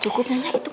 cukup nya itu mah